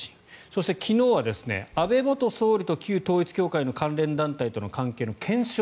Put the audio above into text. そして、昨日は安倍元総理と旧統一教会の関連団体との関係の検証。